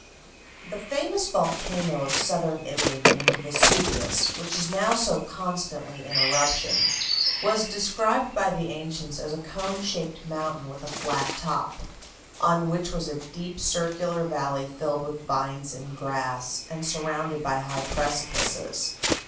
The famous volcano of southern Italy named Vesuvius, which is now so constantly in eruption, was described by the ancients as a cone shaped mountain with a flat top, on which was a deep circular valley filled with vines and grass, and surrounded by high precipices.